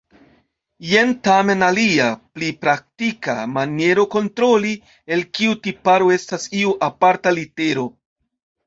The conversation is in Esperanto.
Jen tamen alia, pli praktika, maniero kontroli, el kiu tiparo estas iu aparta litero.